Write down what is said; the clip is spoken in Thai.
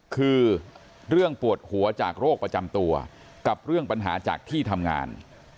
คือเรื่องปวดหัวจากโรคประจำตัวกับเรื่องปัญหาจากที่ทำงาน